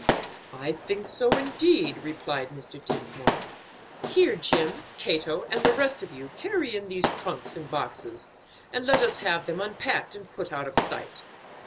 "I think so, indeed," replied Mr. Dinsmore. "Here, Jim, Cato, and the rest of you carry in these trunks and boxes, and let us have them unpacked and put out of sight."